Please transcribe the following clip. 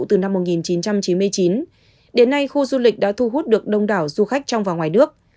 từ năm một nghìn chín trăm chín mươi chín đến nay khu du lịch đã thu hút được đông đảo du khách trong và ngoài nước